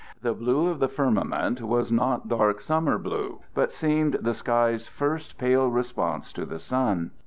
The blue of the firmament was not dark summer blue but seemed the sky's first pale response to the sun.